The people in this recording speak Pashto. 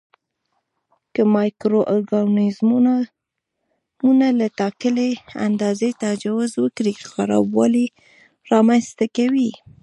که مایکرو ارګانیزمونه له ټاکلي اندازې تجاوز وکړي خرابوالی رامینځته کوي.